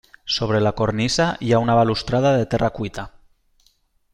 Sobre la cornisa hi ha una balustrada de terra cuita.